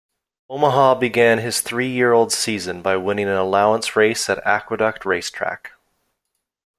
Omaha began his three-year-old season by winning an allowance race at Aqueduct Race Track.